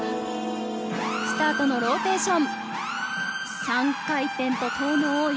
スタートのローテーション。